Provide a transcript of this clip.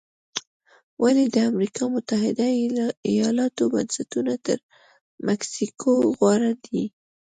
ولې د امریکا متحده ایالتونو بنسټونه تر مکسیکو غوره دي؟